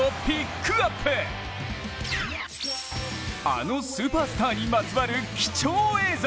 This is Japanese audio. あのスーパースターにまつわる貴重映像。